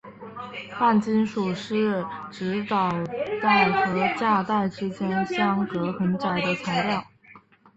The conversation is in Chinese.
半金属是指导带和价带之间相隔很窄的材料。